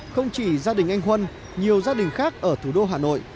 không chỉ gia đình anh huân nhiều gia đình khác ở thủ đô hà nội